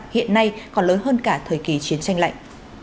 hiện nay còn lớn hơn cả thời kỳ chiến tranh lạnh